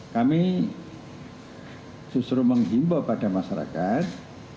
kami justru menghimbau pada masyarakat